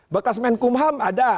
bekas menkumham ada